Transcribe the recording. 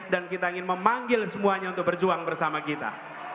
dan kita ingin memanggil semuanya untuk berjuang bersama kita